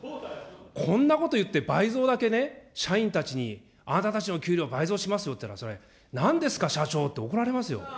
こんなこと言って倍増だけで、社員たちに、あなたたちの給料倍増しますよって、それ、なんですか、社長って怒られますよ。